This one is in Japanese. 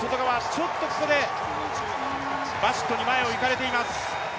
ちょっとここでバシットに前を行かれています。